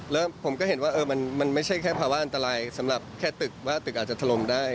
แล้วผมก็เห็นว่ามันไม่ใช่แค่ภาวะอันตรายสำหรับแค่ตึกว่าตึกอาจจะถล่มได้